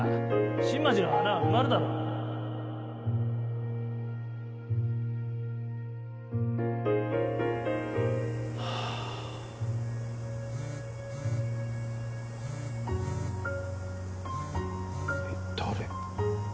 新町の穴は埋まるだろうはあえっ誰？